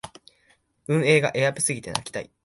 運営がエアプすぎて泣きたい